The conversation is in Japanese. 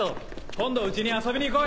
今度家に遊びに来い。